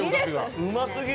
うますぎる。